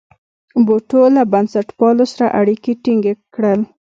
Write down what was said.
بوټو له بنسټپالو سره اړیکي ټینګ کړل.